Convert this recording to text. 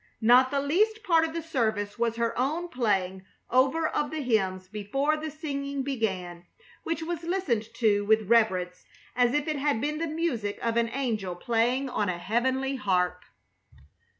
Not the least part of the service was her own playing over of the hymns before the singing began, which was listened to with reverence as if it had been the music of an angel playing on a heavenly harp.